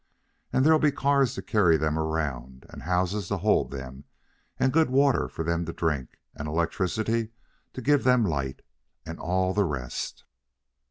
And there'll be cars to carry them around, and houses to hold them, and good water for them to drink and electricity to give them light, and all the rest."